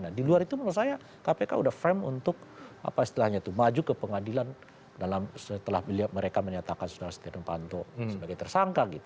nah di luar itu menurut saya kpk sudah firm untuk maju ke pengadilan setelah mereka menyatakan saudara setia novanto sebagai tersangka